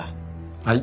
はい？